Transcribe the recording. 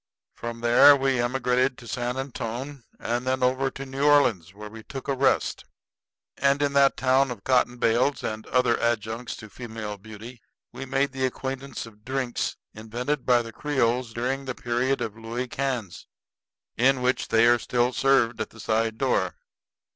From there we emigrated to San Antone, and then over to New Orleans, where we took a rest. And in that town of cotton bales and other adjuncts to female beauty we made the acquaintance of drinks invented by the Creoles during the period of Louey Cans, in which they are still served at the side doors.